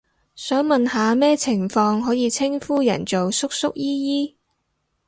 想問下咩情況可以稱呼人做叔叔姨姨？